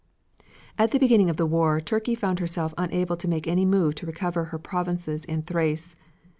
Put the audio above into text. At the beginning of the war Turkey found herself unable to make any move to recover her provinces in Thrace.